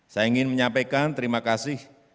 saya ingin menyampaikan terima kasih